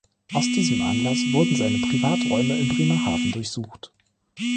Aus diesem Anlass wurden seine Privaträume in Bremerhaven durchsucht.